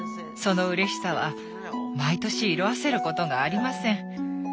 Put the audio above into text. そのうれしさは毎年色あせることがありません。